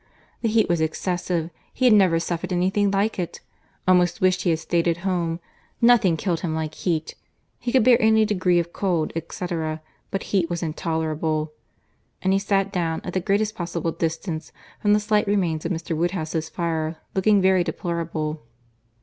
The heat was excessive; he had never suffered any thing like it—almost wished he had staid at home—nothing killed him like heat—he could bear any degree of cold, etc., but heat was intolerable—and he sat down, at the greatest possible distance from the slight remains of Mr. Woodhouse's fire, looking very deplorable.